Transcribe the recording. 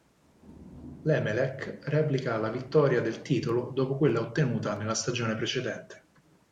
L'Emelec replica la vittoria del titolo dopo quella ottenuta nella stagione precedente.